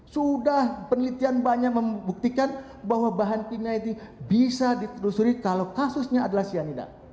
sudah penelitian banyak membuktikan bahwa bahan kimia itu bisa ditelusuri kalau kasusnya adalah cyanida